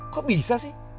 kok bisa sih